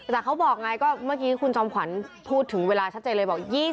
แต่เขาบอกไงก็เมื่อกี้คุณจอมขวัญพูดถึงเวลาชัดเจนเลยบอก